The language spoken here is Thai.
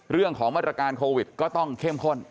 เรื่องของมาตรการโควิดก็ต้องเข้มข้น